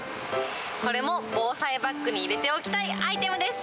これも防災バッグに入れておきたいアイテムです。